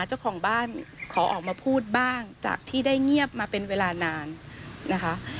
เจ้าของบ้านขอออกมาพูดบ้างจากที่ได้เงียบมาเป็นเวลานานนะคะ